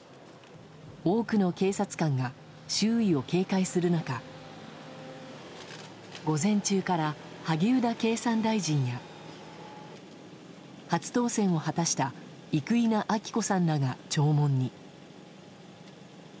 多くの警察官が周囲を警戒する中午前中から萩生田経産大臣や初当選を果たした生稲晃子さんらが弔問に。